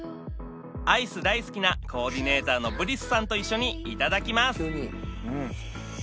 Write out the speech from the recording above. アイス大好きなコーディネーターのブリスさんと一緒にいただきます